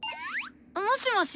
もしもし？